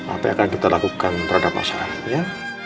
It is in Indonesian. apa yang akan kita lakukan terhadap masyarakat ya